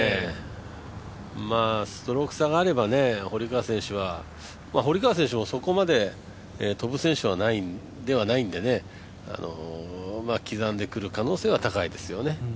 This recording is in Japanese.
ストローク差があれば堀川選手もそこまで飛ぶ選手ではないんでね刻んでくる可能性は高いですよね。